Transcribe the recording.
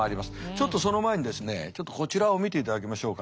ちょっとその前にですねちょっとこちらを見ていただきましょうか。